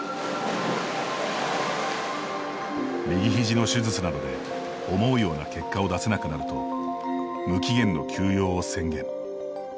右ひじの手術などで思うような結果を出せなくなると無期限の休養を宣言。